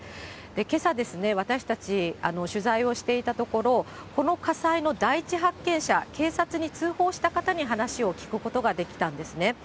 けさ、私たち取材をしていたところ、この火災の第１発見者、警察に通報した方に話を聞くことができたんですね。